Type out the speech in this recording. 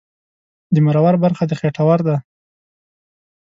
د مرور برخه د خېټور ده